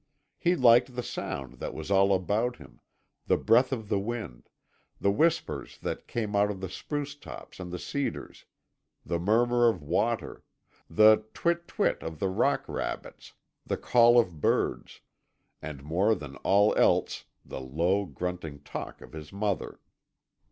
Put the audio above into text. He liked the sound that was all about him, the breath of the wind, the whispers that came out of the spruce tops and the cedars, the murmur of water, the TWIT TWIT of the rock rabbits, the call of birds; and more than all else the low, grunting talk of his mother.